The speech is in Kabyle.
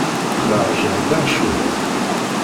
Qqleɣ jehdeɣ cwiṭ.